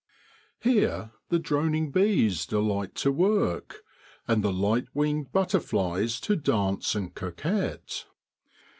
Here the droning bees delight to work, and the light winged butter flies to dance and coquet.